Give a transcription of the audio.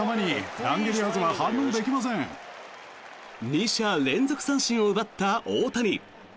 ２者連続三振を奪った大谷。